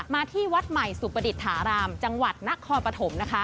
ที่วัดใหม่สุประดิษฐารามจังหวัดนครปฐมนะคะ